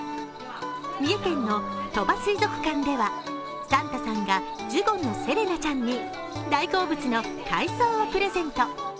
三重県の鳥羽水族館ではサンタさんがジュゴンのセレナちゃんに大好物の海藻をプレゼント。